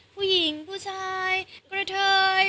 ผู้หญิงผู้ชายกระเทย